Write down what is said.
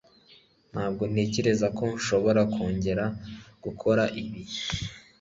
Ntabwo ntekereza ko nshobora kongera gukora ibi.